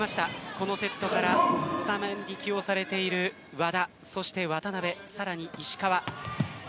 このセットからスタメンに起用されている和田そして渡邊さらに石川。